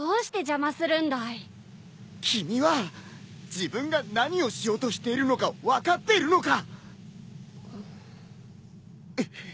君は自分が何をしようとしているのか分かっているのか！？